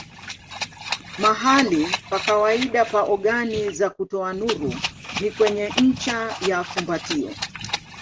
Mahali pa kawaida pa ogani za kutoa nuru ni kwenye ncha ya fumbatio.